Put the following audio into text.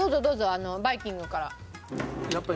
あのバイキングから。